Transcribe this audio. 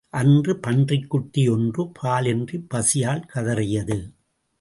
அன்று, பன்றிக் குட்டி ஒன்று பால் இன்றிப் பசியால் கதறியது.